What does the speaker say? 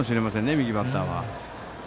右バッターは。